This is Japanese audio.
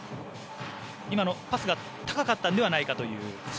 今のパスが高かったのではないかという。